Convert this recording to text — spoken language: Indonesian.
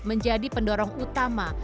menjadi pendorong utama